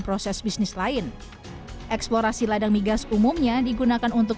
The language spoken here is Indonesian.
proses bisnis lain eksplorasi ladang migas umumnya digunakan untuk